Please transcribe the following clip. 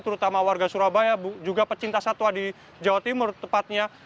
terutama warga surabaya juga pecinta satwa di jawa timur tepatnya